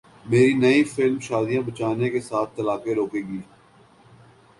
میری نئی فلم شادیاں بچانے کے ساتھ طلاقیں روکے گی